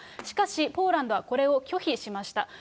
しかし、ポーランドはこれを拒否しました。